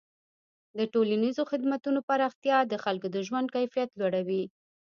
د ټولنیزو خدمتونو پراختیا د خلکو د ژوند کیفیت لوړوي.